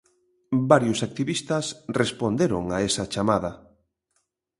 Varios activistas responderon a esa chamada.